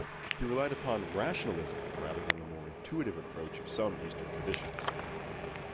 He relied upon rationalism rather than the more intuitive approach of some Eastern traditions.